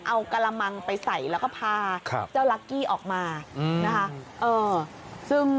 เอากระมังไปใส่แล้วก็พาเจ้าลักกี้ออกมานะคะ